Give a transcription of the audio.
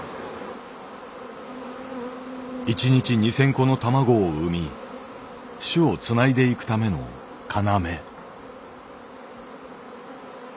一日２，０００個の卵を産み種をつないでいくための要。